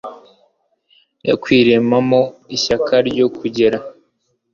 yakwiremamo ishyaka ryo kugera